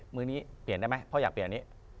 มือนี้เปลี่ยนได้ไหมพ่ออยากเปลี่ยนอันนี้